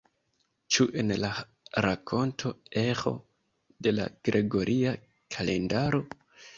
Ĉu en la rakonto eĥo de la gregoria kalendaro?